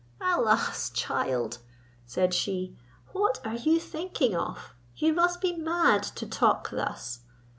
"Alas! child," said she, "what are you thinking of? you must be mad to talk thus."